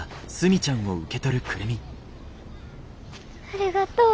ありがとう。